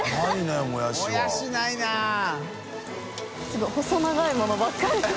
すごい細長いものばっかり